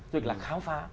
du lịch là khám phá